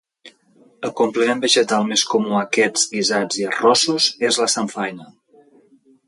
el complement vegetal més comú a aquests guisats i arrossos és la samfaina